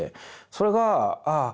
それがああ